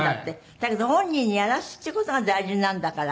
だけど本人にやらすっていう事が大事なんだから。